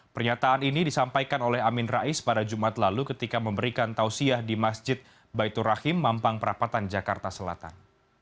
pernyataan ini disampaikan oleh amin rais pada jumat lalu ketika memberikan tausiah di masjid baitur rahim mampang perapatan jakarta selatan